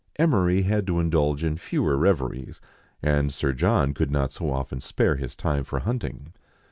Emery had to indulge in fewer reveries, and Sir John could not so often spare his time for hunting.